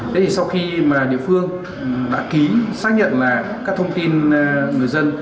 thế thì sau khi mà địa phương đã ký xác nhận là các thông tin người dân